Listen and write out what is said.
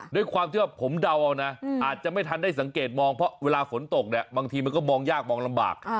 ด้วยความที่ว่าผมเดาเอานะอาจจะไม่ทันได้สังเกตมองเพราะเวลาฝนตกเนี่ยบางทีมันก็มองยากมองลำบาก